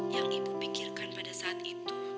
yang ibu pikirkan pada saat itu